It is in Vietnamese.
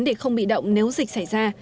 để không bị động nếu dịch xảy ra